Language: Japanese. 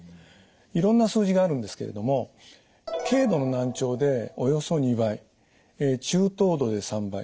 いろんな数字があるんですけれども軽度の難聴でおよそ２倍中等度で３倍